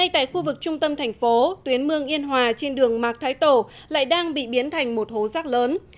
trên đường mạc thái tổ lại đang bị biến thành một hố rác lớn